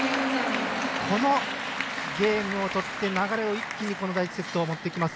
このゲームを取って流れを一気に第１セット持ってきます。